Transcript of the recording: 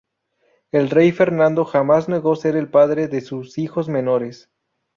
El rey Fernando jamás negó ser el padre de sus hijos menores.